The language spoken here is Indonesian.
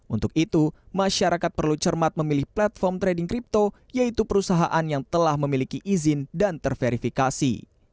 untuk itu masyarakat perlu cermat memilih platform trading crypto yaitu perusahaan yang telah memiliki izin dan terverifikasi